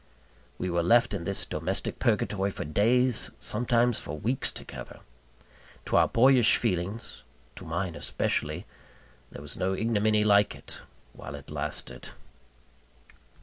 We were left in this domestic purgatory for days, sometimes for weeks together. To our boyish feelings (to mine especially) there was no ignominy like it, while it lasted.